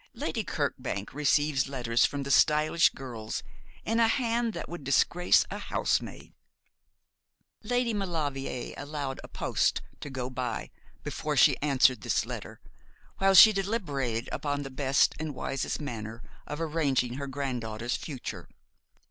Lady Kirkbank receives letters from stylish girls in a hand that would disgrace a housemaid.' Lady Maulevrier allowed a post to go by before she answered this letter, while she deliberated upon the best and wisest manner of arranging her granddaughter's future.